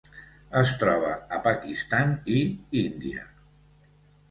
Es troba a Pakistan i Índia.